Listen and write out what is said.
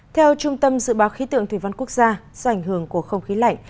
theo trung tâm dự báo khí tượng thủy văn quốc gia do ảnh hưởng của không khí lạnh